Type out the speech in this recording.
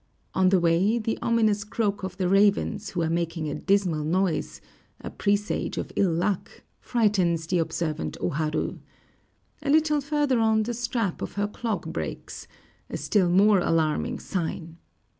On the way, the ominous croak of the ravens, who are making a dismal noise, a presage of ill luck, frightens the observant O Haru. A little further on, the strap of her clog breaks, a still more alarming sign.